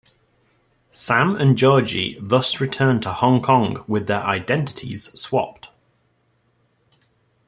Sam and Georgie thus returned to Hong Kong with their identities swapped.